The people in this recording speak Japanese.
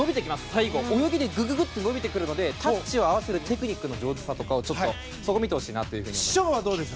最後泳ぎでグググッと伸びてくるのでタッチを合わせるテクニックの上手さとかを見てほしいと思います。